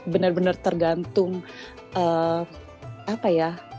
benar benar tergantung apa ya